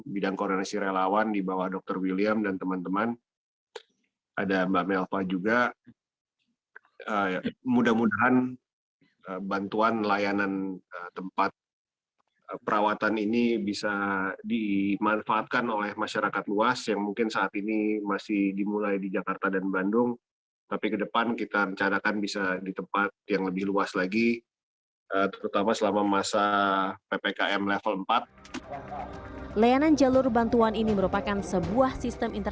bidang koordinasi relawan bkr saat kes covid sembilan belas resmi meluncurkan layanan jalur bantuan informasi covid sembilan belas bagi tenaga kesehatan dan masyarakat umum di dki jakarta dan juga kota bandung